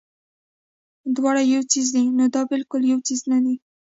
دواړه يو څيز دے نو دا بالکل يو څيز نۀ دے